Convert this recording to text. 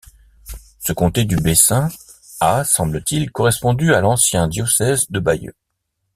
Ce comté du Bessin a semble-t-il correspondu à l'ancien diocèse de Bayeux.